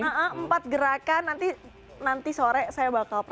mengajarkan empat gerakan nanti sore saya bakal partai